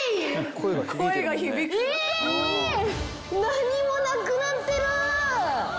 何もなくなってる！